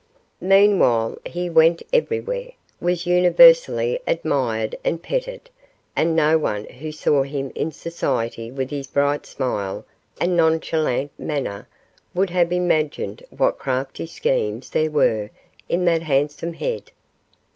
Meanwhile, he went everywhere, was universally admired and petted, and no one who saw him in society with his bright smile and nonchalant manner, would have imagined what crafty schemes there were in that handsome head.